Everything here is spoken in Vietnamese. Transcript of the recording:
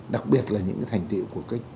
đặc biệt là những thành tiệu của